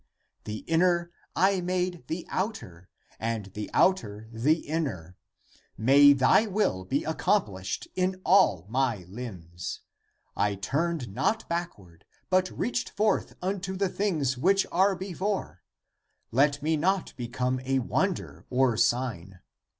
The inner I made the outer, and the outer the inner. ^^ May thy will be accomplished in all my limbs ! I turned not backward, but reached forth unto the things which are before, let me not become a won der or sign!